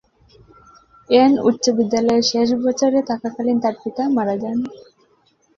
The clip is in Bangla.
অ্যান উচ্চ বিদ্যালয়ের শেষ বছরে থাকাকালীন তার পিতা মারা যান।